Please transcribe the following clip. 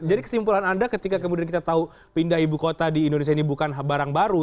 jadi kesimpulan anda ketika kita tahu pindah ibu kota di indonesia ini bukan barang baru